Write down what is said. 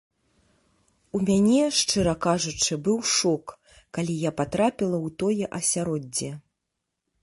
У мяне, шчыра кажучы, быў шок, калі я патрапіла ў тое асяроддзе.